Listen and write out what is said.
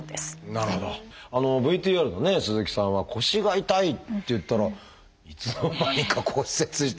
ＶＴＲのね鈴木さんは腰が痛いっていったらいつの間にか骨折していたって。